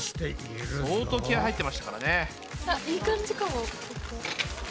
相当気合い入ってましたからね。